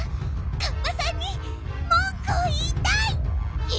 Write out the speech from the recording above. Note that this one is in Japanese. カッパさんにもんくをいいたい！え！？